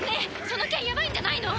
その剣やばいんじゃないの？